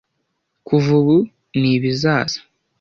kuva ubu n'ibizaza